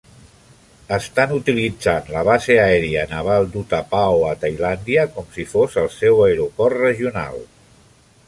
Estan utilitzant la Base Aèria Naval d'Utapao a Tailàndia com si fos el seu aeroport regional.